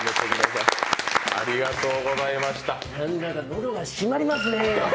何だか喉が締まりますね。